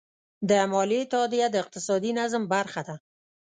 د مالیې تادیه د اقتصادي نظم برخه ده.